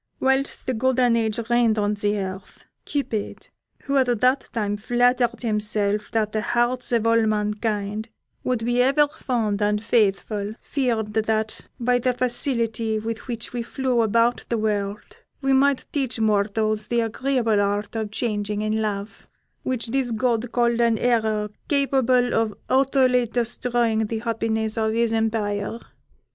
Whilst the golden age reigned on the earth, Cupid, who at that time flattered himself that the hearts of all mankind would be ever fond and faithful, feared that by the facility with which we flew about the world, we might teach mortals the agreeable art of changing in love, which this god called an error capable of utterly destroying the happiness of his empire.